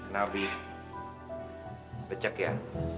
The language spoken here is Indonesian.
nah bi becek ya